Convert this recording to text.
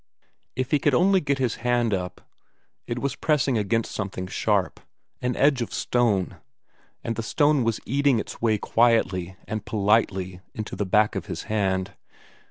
If he could only get his hand up it was pressing against something sharp, an edge of stone, and the stone was eating its way quietly and politely into the back of his hand.